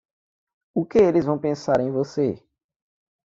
O que eles vão pensar em você?